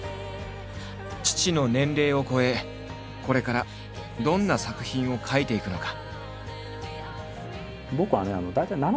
父の年齢を超えこれからどんな作品を書いていくのか。